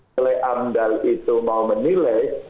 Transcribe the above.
kalau amdal itu mau menilai